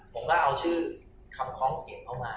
ผมก็เอาชื่อคำคล้องเสียงเข้ามา